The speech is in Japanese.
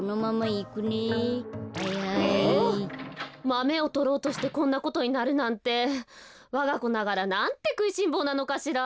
マメをとろうとしてこんなことになるなんてわがこながらなんてくいしんぼうなのかしら。